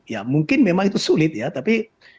ya mungkin memang itu sulit ya tapi